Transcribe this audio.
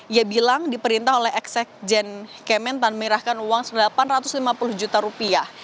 ia bilang diperintah oleh exed jen kementan menyerahkan uang delapan ratus lima puluh juta rupiah